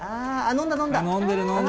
飲んでる。